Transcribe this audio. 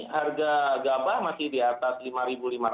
harga gabah masih di atas rp lima lima ratus